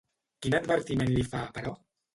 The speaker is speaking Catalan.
Quin advertiment li fa, però?